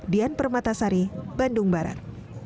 dian permatasari bandung barat